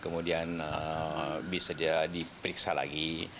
kemudian bisa jadi periksa lagi